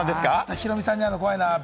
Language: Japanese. ヒロミさんに会うの怖いな。